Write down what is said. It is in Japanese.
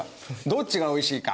どっちが美味しいか？